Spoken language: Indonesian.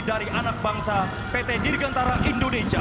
dari anak bangsa pt dirgantara indonesia